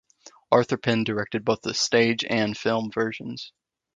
Arthur Penn directed both the stage and film versions.